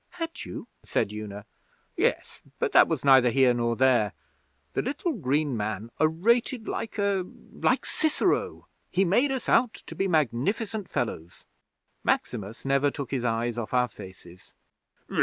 'Had you?' said Una. 'Yes; but that was neither here nor there. The little green man orated like a like Cicero. He made us out to be magnificent fellows. Maximus never took his eyes off our faces.